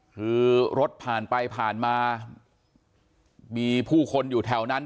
คือรถผ่านไปผ่านมามีผู้คนอยู่แถวนั้น